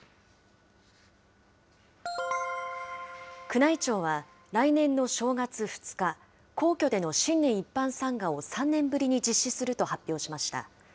宮内庁は、来年の正月２日、皇居での新年一般参賀を３年ぶりに実施すると発表しました。